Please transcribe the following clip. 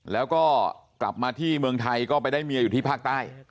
แล้วก็กลับมาที่เมืองไทยก็ไปได้เมียอยู่ที่ภาคใต้